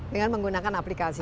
dengan menggunakan aplikasi